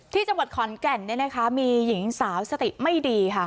ที่จังหวัดขอนแก่นมีหญิงสาวสติไม่ดีค่ะ